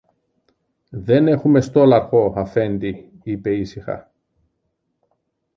Δεν έχουμε στόλαρχο, Αφέντη, είπε ήσυχα.